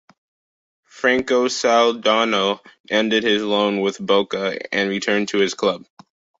Franco Soldano ended his loan with Boca and returned to his club.